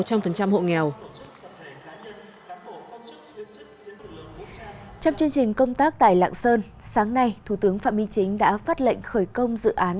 trong chương trình công tác tại lạng sơn sáng nay thủ tướng phạm minh chính đã phát lệnh khởi công dự án